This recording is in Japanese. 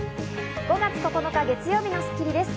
５月９日、月曜日の『スッキリ』です。